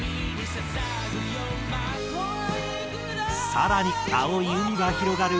更に青い海が広がる